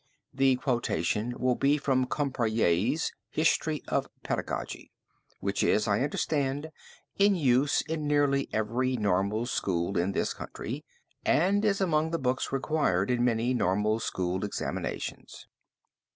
The quotation will be from Compayré's "History of Pedagogy" which is, I understand, in use in nearly every Normal School in this country and is among the books required in many Normal School examinations.